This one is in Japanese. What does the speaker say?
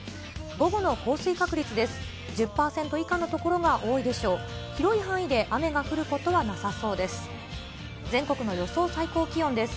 午後の降水確率です。